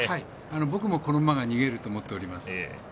僕もこの馬が逃げると思っています。